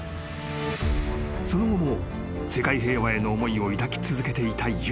［その後も世界平和への思いを抱き続けていた悠太］